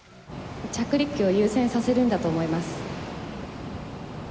着陸機を優先させるんだと思います。